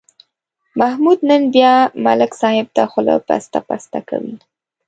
محمود نن بیا ملک صاحب ته خوله پسته پسته کوي.